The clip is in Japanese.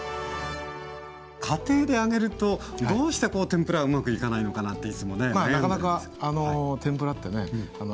家庭で揚げるとどうしてこう天ぷらがうまくいかないのかなっていつもね悩んでるんですけどはい。